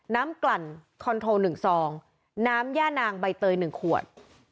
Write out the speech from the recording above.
กลั่นคอนโท๑ซองน้ำย่านางใบเตย๑ขวด